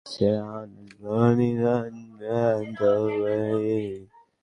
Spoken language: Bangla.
এই দিনতো দেখারই ছিল।